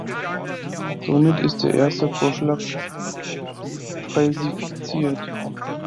Somit ist der erste Vorschlag falsifiziert.